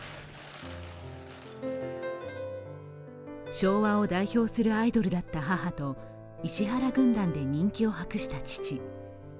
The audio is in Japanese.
昭和を代表するアイドルだった母と石原軍団で人気を博した父。